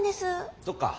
そっか。